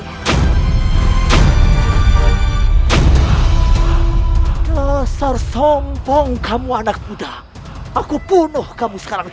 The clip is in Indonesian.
kelas or songpong kamu anak muda aku bunuh kamu sekarang juga